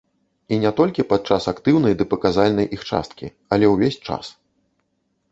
І не толькі падчас актыўнай ды паказальнай іх часткі, але ўвесь час.